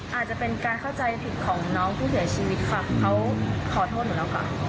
หนูรับสารภาพตั้งแต่แรกของหนูสารภาพก็เป็นคนขับค่ะ